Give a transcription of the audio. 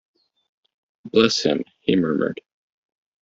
“Bless him!” he murmured.